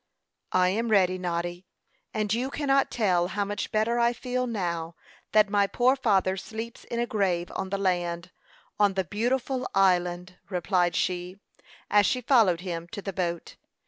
"I am ready, Noddy; and you cannot tell how much better I feel now that my poor father sleeps in a grave on the land on the beautiful island!" replied she, as she followed him to the boat.